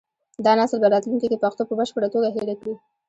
دا نسل به راتلونکي کې پښتو په بشپړه توګه هېره کړي.